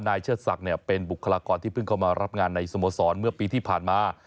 เชิดศักดิ์เป็นบุคลากรที่เพิ่งเข้ามารับงานในสโมสรเมื่อปีที่ผ่านมา